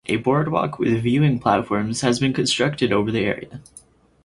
A boardwalk with viewing platforms has been constructed over the area.